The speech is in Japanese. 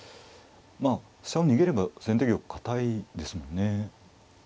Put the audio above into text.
まあ飛車を逃げれば先手玉堅いですもんね。